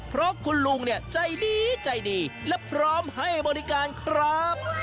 เพราะคุณลุงใจดีและพร้อมให้บริการครับ